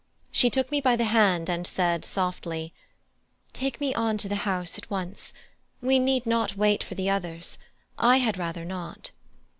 She took me by the hand, and said softly, "Take me on to the house at once; we need not wait for the others: I had rather not."